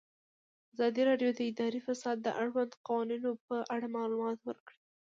ازادي راډیو د اداري فساد د اړونده قوانینو په اړه معلومات ورکړي.